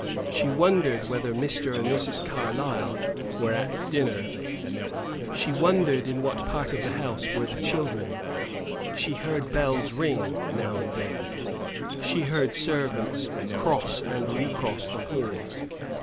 She wondered whether Mr. and Mrs. Carlyle were at dinner she wondered in what part of the house were the children. She heard bells ring now and then; she heard servants cross and recross the hall.